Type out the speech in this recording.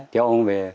thì ông về